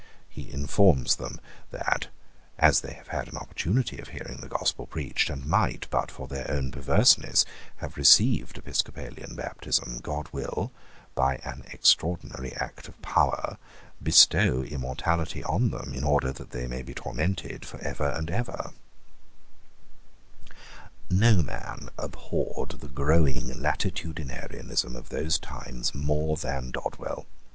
He informs them that, as they have had an opportunity of hearing the gospel preached, and might, but for their own perverseness, have received episcopalian baptism, God will, by an extraordinary act of power, bestow immortality on them in order that they may be tormented for ever and ever, No man abhorred the growing latitudinarianism of those times more than Dodwell.